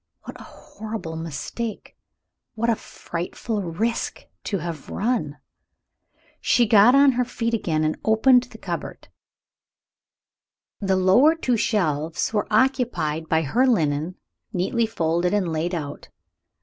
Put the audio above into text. "What a horrible mistake! What a frightful risk to have run!" She got on her feet again, and opened the cupboard. The two lower shelves were occupied by her linen, neatly folded and laid out.